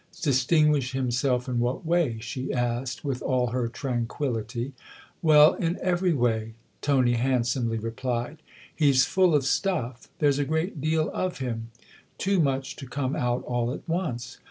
" Distinguish himself in what way ?" she asked with all her tranquillity. " Well in every way," Tony handsomely replied. " He's full of stuff there's a great deal of him : too much to come out all at once.